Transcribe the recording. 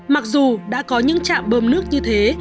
mặc dù đã có những trạm bơm nước như thế